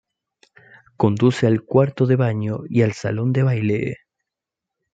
Conduce al cuarto de baño y al salón de baile.